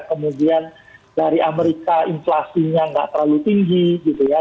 kemudian dari amerika inflasinya nggak terlalu tinggi gitu ya